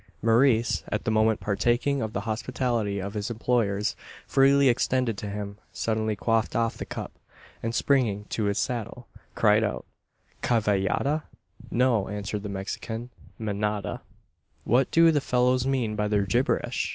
Maurice at the moment partaking of the hospitality of his employers, freely extended to him suddenly quaffed off the cup; and springing to his saddle, cried out "Cavallada?" "No," answered the Mexican; "manada." "What do the fellows mean by their gibberish?"